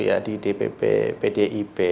ya di dpb pdip